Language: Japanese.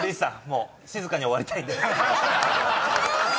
もう静かに終わりたいんで。